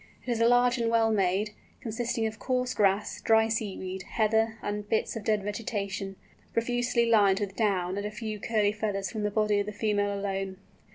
It is large and well made, consisting of coarse grass, dry seaweed, heather, and bits of dead vegetation, profusely lined with down and a few curly feathers from the body of the female alone.